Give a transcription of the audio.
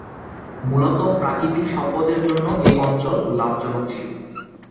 মূলত প্রাকৃতিক সম্পদের জন্য এই অঞ্চল লাভজনক ছিল।